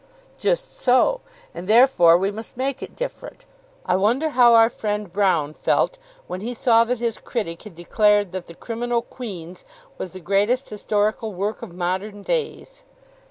"Just so; and therefore we must make it different. I wonder how our friend Broune felt when he saw that his critic had declared that the 'Criminal Queens' was the greatest historical work of modern days."